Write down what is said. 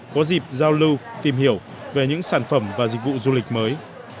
có dịp giao lưu tìm hiểu về những sản phẩm và dịch vụ du lịch mới